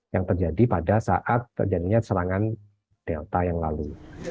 yang terjadi pada saat terjadinya serangan delta yang lalu